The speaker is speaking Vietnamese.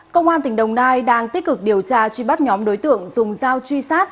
công an tỉnh đồng nai đang tích cực điều tra truy bắt nhóm đối tượng dùng dao truy sát